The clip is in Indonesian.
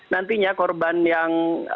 nantinya korban yang